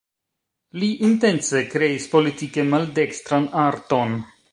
Li intence kreis politike maldekstran arton.